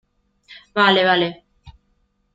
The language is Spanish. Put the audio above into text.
vale. vale .